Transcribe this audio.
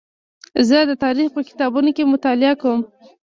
زه د تاریخ په کتابتون کې مطالعه کوم.